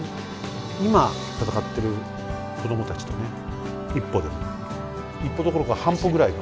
今戦ってる子供たちとね一歩でも一歩どころか半歩ぐらい。